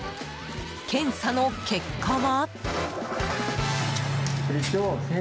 検査の結果は。